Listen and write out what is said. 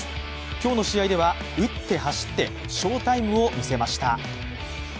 今日の試合では打って走って翔タイムをみせました。